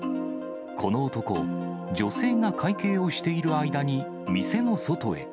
この男、女性が会計をしている間に店の外へ。